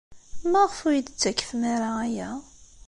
Maɣef ur iyi-d-tettakfem ara aya?